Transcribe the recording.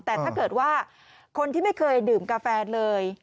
แต่ถ้าเกิดว่าคนที่ไม่เคยดื่มกาแฟเลย